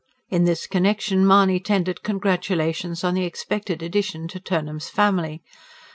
In this connection, Mahony tendered congratulations on the expected addition to Turnham's family.